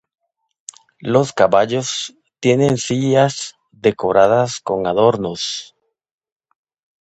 Los caballos tienen sillas decoradas con adornos.